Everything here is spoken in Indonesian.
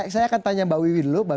saya akan tanya mbak wiwi dulu